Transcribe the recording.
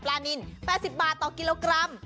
นิน๘๐บาทต่อกิโลกรัม